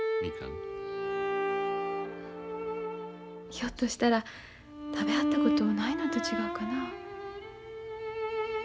ひょっとしたら食べはったことないのんと違うかな。